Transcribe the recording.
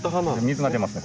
水が出ますね